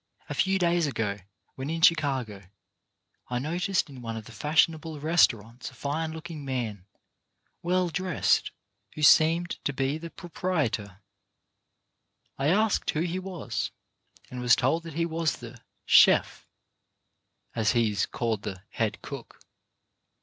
A few days ago, when in Chicago, I noticed in one of the fashionable restaurants a fine look ing man, well dressed, who seemed to be the pro prietor. I asked who he was, and was told that he was the " chef, " as he is called — the head cook.